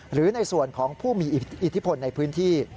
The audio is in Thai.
หรือในส่วนของผู้มีอิทธิพลในพื้นที่